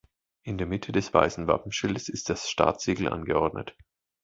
In der Mitte des weißen Wappenschildes ist das Staatssiegel angeordnet.